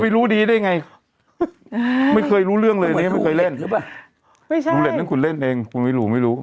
ว่ามันเล่นอย่างไรเป็นความรู้